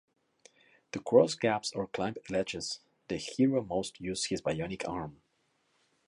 To cross gaps or climb ledges, the hero must use his bionic arm.